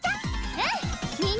うん！